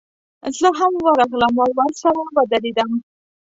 زه هم ورغلم او ورسره ودرېدم.